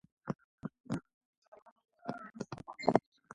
მიუხედავად ყველაფრისა, ზოგიერთმა მიმოხილველმა მაღალი შეფასება დაუწერა თამაშს.